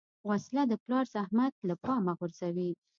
وسله د پلار زحمت له پامه غورځوي